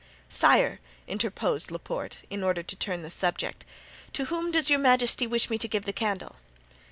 "Sire!" interposed Laporte, in order to turn the subject, "to whom does your majesty wish me to give the candle?"